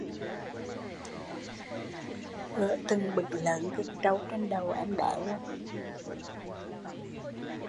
Gở từng bửng lớn cứt trâu trên đầu em bé